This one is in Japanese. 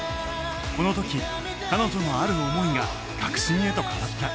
この時彼女のある思いが確信へと変わった